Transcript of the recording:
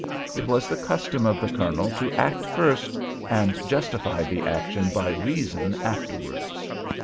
It was the custom of the Colonel to act first, and justify the action by reason afterwards.